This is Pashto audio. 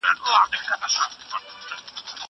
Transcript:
زه به سبا د کتابتون د کار مرسته وکړم!!